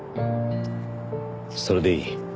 それでいい。